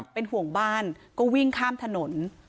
เป็นห่วงบ้านก็วิ่งข้ามถนน